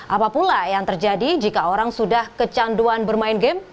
apapun yang terjadi jika orang sudah kecanduan bermain game